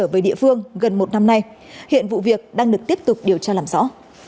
với địa phương gần một năm nay hiện vụ việc đang được tiếp tục điều tra làm rõ